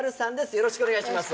よろしくお願いします